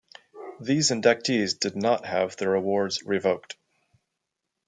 These inductees did not have their awards revoked.